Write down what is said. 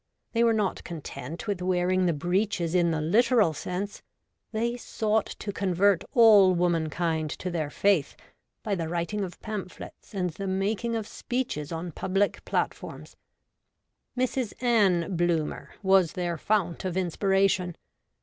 They were not content with wearing the breeches in the literal sense : they sought to convert all womankind to their faith by the writing of pamphlets and the making of speeches oh public platforms. Mrs. Ann Bloomer was their fount of inspiration.